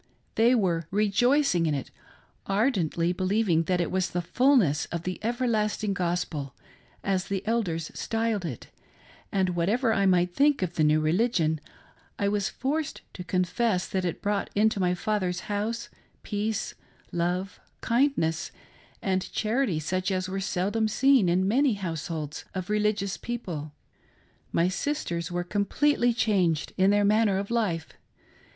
They were rejoicing in it, ardently believing that it was the fulness of the everlasting gospel, as the elders styled; it ; and whatever I might think of the new religion I was forced to confess that it brought into my father's house peace, lov6) kindness, and charity such as were seldom seen in many' households of religious people. My sisters were completely changed in their manner of life.